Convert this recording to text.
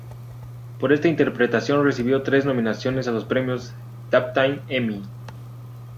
Por esta interpretación recibió tres nominaciones a los premios Daytime Emmy.